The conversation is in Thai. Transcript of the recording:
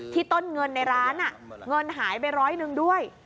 ต้นเงินในร้านเงินหายไปร้อยหนึ่งด้วย